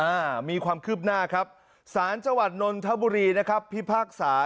อ่ามีความคืบหน้าครับสารจังหวัดนนทบุรีนะครับพิพากษา